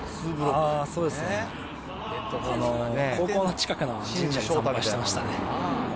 そうですね、高校の近くの神社に参拝してましたね。